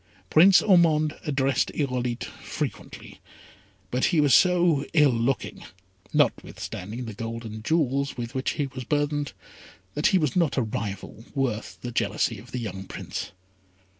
Prince Ormond addressed Irolite frequently; but he was so ill looking, notwithstanding the gold and jewels with which he was burthened, that he was not a rival worth the jealousy of the young Prince.